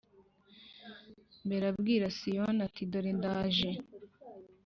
mbere abwira Siyoni ati dore ndaje